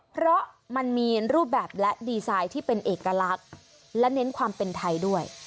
เพราะมันมีรูปแบบและดีไซน์ที่เป็นเอกลักษณ์และเน้นความเป็นไทยด้วย